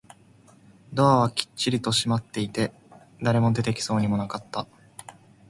ドアはきっちりと閉まっていて、誰も出てきそうもなかった